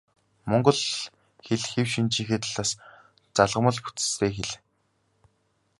Монгол хэл хэв шинжийнхээ талаас залгамал бүтэцтэй хэл.